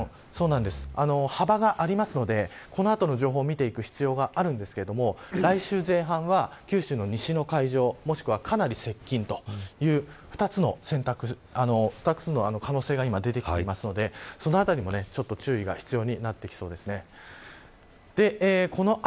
幅がありますのでこの後の情報を見ていく必要があるんですけれど来週前半は、九州の西の海上もしくは、かなり接近という２つの可能性が今出てきていますのでそのあたりも注意が必要になってきそうです。